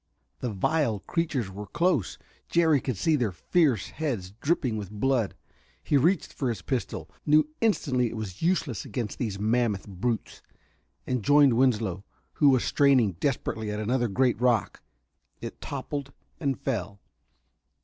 The vile creatures were close: Jerry could see their fierce heads dripping with blood. He reached for his pistol, knew instantly it was useless against these mammoth brutes, and joined Winslow, who was straining desperately at another great rock. It toppled and fell.